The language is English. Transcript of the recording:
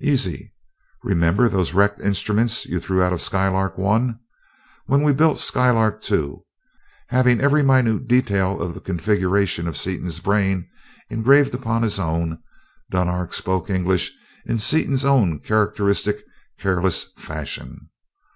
"Easy. Remember those wrecked instruments you threw out of Skylark I when we built Skylark II?" Having every minute detail of the configuration of Seaton's brain engraved upon his own, Dunark spoke English in Seaton's own characteristic careless fashion.